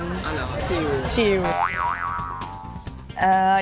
อ๋อเหรอชิลล์ชิลล์ชิลล์